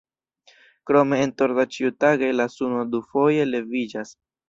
Krome en Torda ĉiutage la suno dufoje leviĝas.